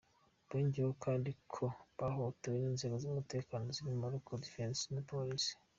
Bongeyeho kandi ko bahohoterwa n’inzego z’umutekano zirimo Local Defense na Polisi.